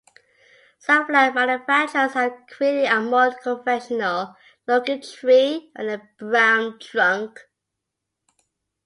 Some flag manufacturers have created a more conventional looking tree, with a brown trunk.